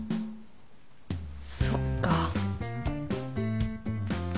そっか。